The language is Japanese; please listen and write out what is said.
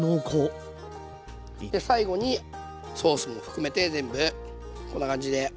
で最後にソースも含めて全部こんな感じで。